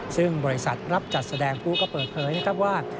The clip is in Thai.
ซึ่งบริษัทรับจัดแสดงผู้ก็เปิดเผยนะครับว่า